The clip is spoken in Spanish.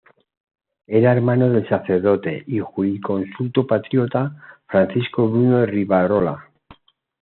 Era hermano del sacerdote y jurisconsulto patriota Francisco Bruno de Rivarola.